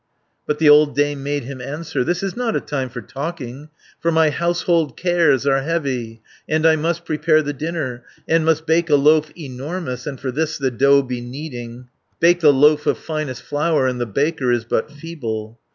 But the old dame made him answer: "This is not a time for talking, For my household cares are heavy, And I must prepare the dinner, And must bake a loaf enormous, And for this the dough be kneading, Bake the loaf of finest flour, And the baker is but feeble."